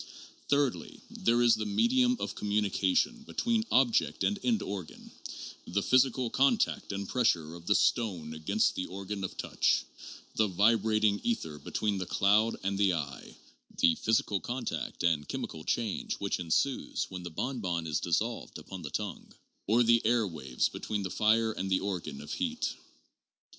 Thirdly, there is the medium of com munication between object and end organ, the physical contact and pressure of the stone against the organ of touch, the vibrating ether between the cloud and the eye, the physical contact and chem ical change which ensues when the bon bon is dissolved upon the tongue, or the air waves between the fire and the organ of heat.